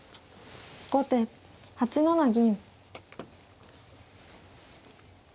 後手８七銀。